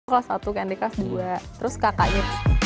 kelas satu kandikas dua terus kakaknya